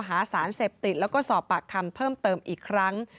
หาสารเสพติดแล้วก็สอบปากคำเพิ่มเติมอีกครั้ง